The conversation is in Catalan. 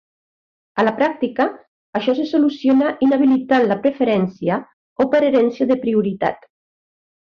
A la pràctica, això se soluciona inhabilitant la preferència o per herència de prioritat.